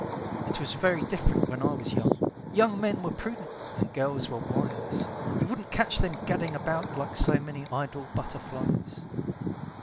"It was very different when I was young; Young men were prudent, and girls were wise; You wouldn't catch them gadding about Like so many idle butterflies."